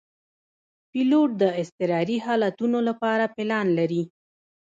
پیلوټ د اضطراري حالتونو لپاره پلان لري.